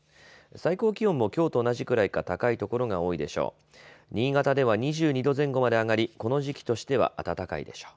最高気温もきょうと同じくらいか高い所が多いでしょう。